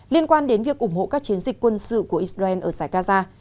liên quan đến việc ủng hộ các chiến dịch quân sự của israel ở giải gaza